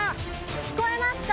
聞こえますか？